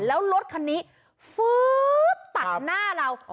แล้วรถคันนี้ฟื๊ดตัดหน้าเรา